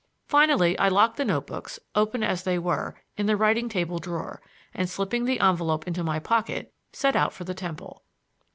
Finally I locked the notebooks, open as they were, in the writing table drawer, and slipping the envelope into my pocket, set out for the Temple.